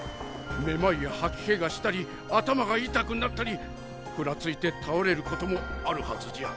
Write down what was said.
めまいや吐き気がしたり頭が痛くなったりふらついて倒れることもあるはずじゃ。